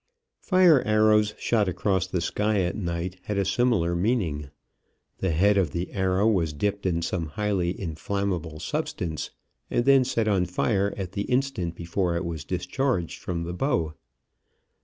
Fire arrows shot across the sky at night had a similar meaning. The head of the arrow was dipped in some highly inflammable substance and then set on fire at the instant before it was discharged from the bow.